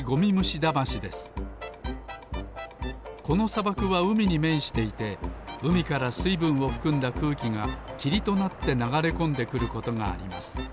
このさばくはうみにめんしていてうみからすいぶんをふくんだくうきがきりとなってながれこんでくることがあります。